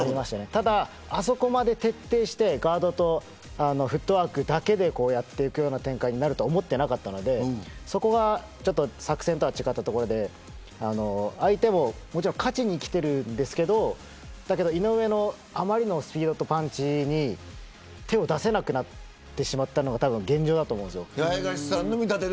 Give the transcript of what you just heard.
ただ、あそこまで徹底してガードとフットワークだけでやっていくような展開になると思っていなかったのでそこが作戦とは違ったところで相手も勝ちにきているんですけど井上のあまりのスピードとパンチに手を出せなくなってしまったのが現状だと思うんですよ。